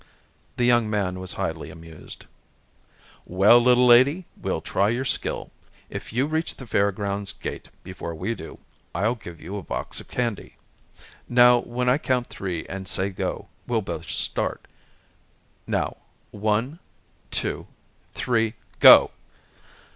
The young man was highly amused. "Well, little lady, we'll try your skill. If you reach the Fair grounds gate before we do, I'll give you a box of candy. Now when I count three and say go, we'll both start. Now one, two, three, go."